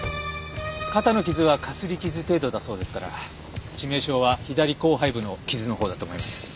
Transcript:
肩の傷はかすり傷程度だそうですから致命傷は左後背部の傷のほうだと思います。